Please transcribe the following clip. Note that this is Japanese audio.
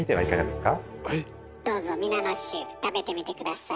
どうぞ皆の衆食べてみて下さい。